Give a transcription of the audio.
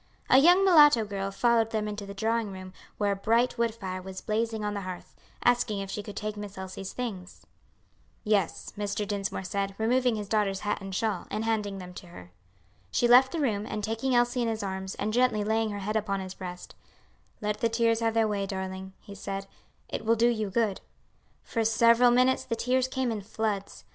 A young mulatto girl followed them into the drawing room, where a bright wood fire was blazing on the hearth, asking if she should take Miss Elsie's things. "Yes," Mr. Dinsmore said, removing his daughter's hat and shawl, and handing them to her. She left the room; and taking Elsie in his arms, and gently laying her head upon his breast, "Let the tears have their way, darling," he said, "it will do you good." For several minutes the tears came in floods.